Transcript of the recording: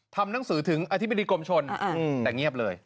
ทำหนังสือถึงอธิบดีกรมชนแต่เงียบเลย